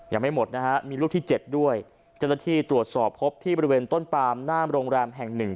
ยังไม่หมดนะฮะมีลูกที่เจ็ดด้วยเจ้าหน้าที่ตรวจสอบพบที่บริเวณต้นปามหน้าโรงแรมแห่งหนึ่ง